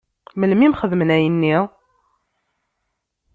Melmi i m-xedmen ayenni?